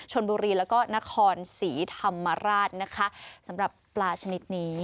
ชนบุรีแล้วก็นครศรีธรรมราชนะคะสำหรับปลาชนิดนี้